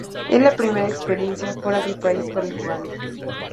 Es la primera experiencia fuera del país para el jugador.